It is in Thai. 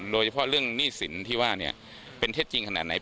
โดยเฉพาะเรื่องหนี้สินที่ว่าเป็นเท็จจริงขนาดไหน